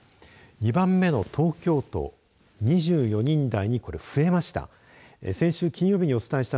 ２番目の東京都２４人台にこれ、増えました。